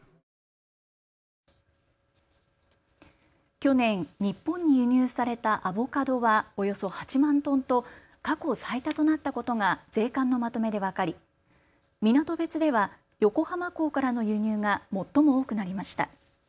去年、日本に輸入されたアボカドはおよそ８万トンと過去最多となったことが税関のまとめで分かり港別では横浜港からの輸入が最も多くなりました。